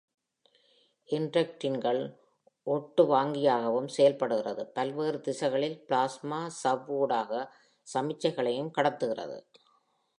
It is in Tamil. இன்டெக்ரின்கள் ஒட்டு வாங்கியாகவும் செயல்படுகிறது, பல்வேறு திசைகளில் பிளாஸ்மா சவ்வு ஊடாக சமிக்ஞைகளையும் கடத்துகிறது.